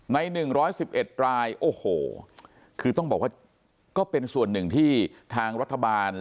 ในหนึ่งร้อยสิบเอ็ดรายโอ้โหคือต้องบอกว่าก็เป็นส่วนหนึ่งที่ทางรัฐบาล